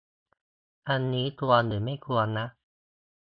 อันนี้ควร หรือไม่ควรนะ